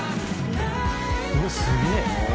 「うわっすげえ！」